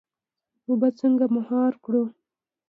اوبه څنګه مهار کړو؟